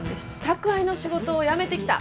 宅配の仕事辞めてきた。